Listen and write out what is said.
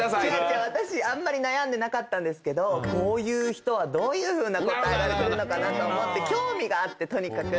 私あんまり悩んでなかったけどこういう人はどういうふうな答えが来るのかなと思って興味があってとにかく。